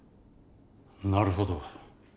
なるほど。